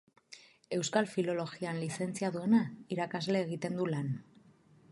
Euskal filologian lizentziaduna, irakasle egiten du lan.